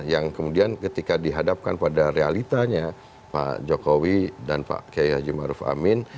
yang kemudian ketika dihadapkan pada realitanya pak jokowi dan pak kiai haji maruf amin